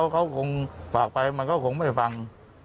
เขาคงฝากไปมันก็คงไม่ฟัง